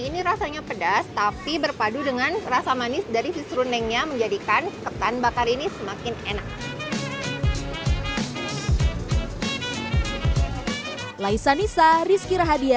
ini rasanya pedas tapi berpadu dengan rasa manis dari his runnengnya menjadikan ketan bakar ini semakin enak